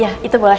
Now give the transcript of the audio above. ya itu boleh